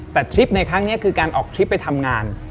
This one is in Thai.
แต่ทริปในครั้งนี้คือการออกทริปไปทำงาน